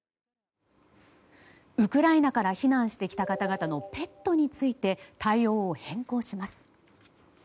ウクライナから避難してきた方々のペットについて対応を変更します。